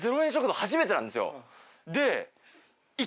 で。